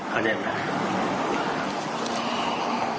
เข้าได้ไหม